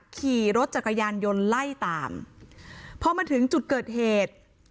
ขี่รถจักรยานยนต์ไล่ตามพอมาถึงจุดเกิดเหตุ